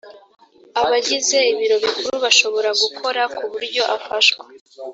abagize ibiro bikuru bashobora gukora ku buryo afashwa